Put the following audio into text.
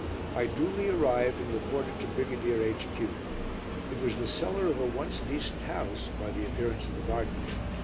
I duly arrived and reported to Brigadier H.Q. It was the cellar of a once decent house by the appearance of the garden.